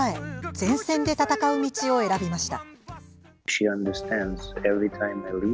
前線で戦う道を選びました。